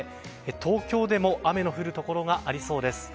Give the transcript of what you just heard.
東京でも雨の降るところがありそうです。